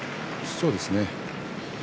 そうですね。